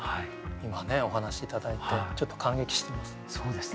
今ねお話し頂いてちょっと感激してます。